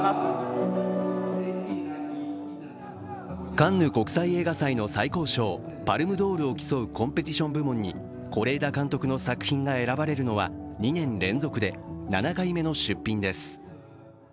カンヌ国際映画祭の最高賞パルムドールを競うコンペティション部門に是枝監督の作品が選ばれるのは２年連続で７回目の出品です。